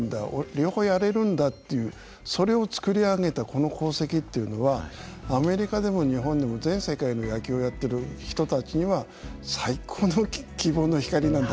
両方やれるんだっていうそれを作り上げたこの功績っていうのはアメリカでも日本でも全世界で野球をやってる人たちには最高の希望の光なんだろうと思います。